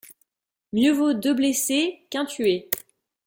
Mieux vaut deux blessés qu’un tué.